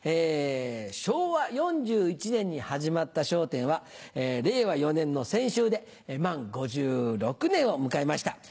昭和４１年に始まった『笑点』は令和４年の先週で満５６年を迎えました。